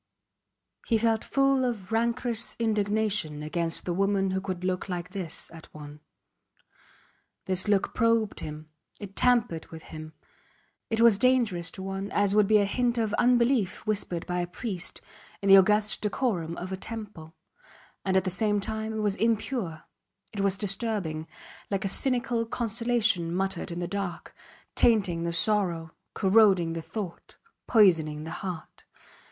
He felt full of rancorous indignation against the woman who could look like this at one. This look probed him; it tampered with him. It was dangerous to one as would be a hint of unbelief whispered by a priest in the august decorum of a temple; and at the same time it was impure, it was disturbing, like a cynical consolation muttered in the dark, tainting the sorrow, corroding the thought, poisoning the heart.